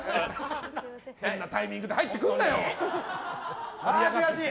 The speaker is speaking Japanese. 変なタイミングで入ってくるなよ！